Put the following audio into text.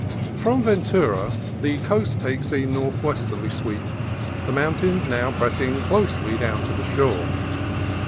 From Ventura the coast takes a northwesterly sweep, the mountains now pressing closely down to the shore.